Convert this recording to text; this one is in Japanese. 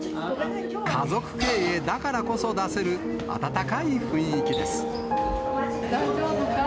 家族経営だからこそ出せる温かい大丈夫か？